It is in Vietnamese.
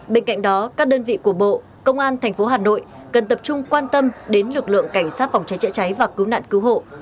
bên cạnh đó các đơn vị của bộ công an tp hà nội cần tập trung quan tâm đến lực lượng cảnh sát phòng cháy chữa cháy và cứu nạn cứu hộ